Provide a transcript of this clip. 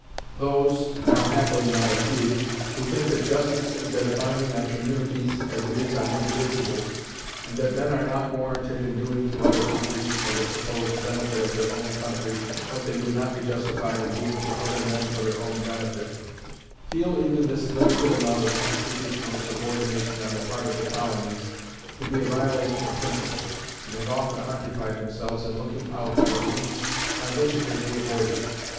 Those (now happily not a few) who think that justice is as binding on communities as it is on individuals, and that men are not warranted in doing to other countries, for the supposed benefit of their own country, what they would not be justified in doing to other men for their own benefit, feel even this limited amount of constitutional subordination on the part of the colonies to be a violation of principle, and have often occupied themselves in looking out for means by which it may be avoided.